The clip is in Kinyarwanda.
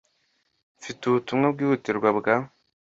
Mfite ubutumwa bwihutirwa bwa .